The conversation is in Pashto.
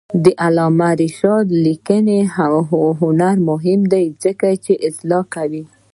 د علامه رشاد لیکنی هنر مهم دی ځکه چې اصلاح کوي.